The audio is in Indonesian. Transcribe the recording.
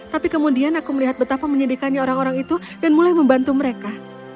tapi kemudian aku melihat betapa menyedihkannya orang orang itu dan mulai membantu mereka